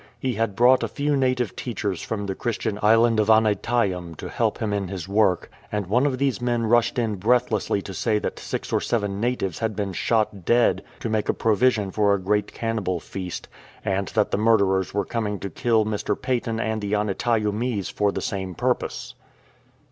He had brought a few native teachers from the Christian island of Aneityum to help him in his work, and one of these men rushed in breathlessly to say that six or seven natives had been shot dead to make provision for a great cannibal feast, and that the murderers were coming to kill Mr. Paton and the Aneityumese for the same purpose.